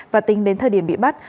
và tính đến thời điểm bị bắt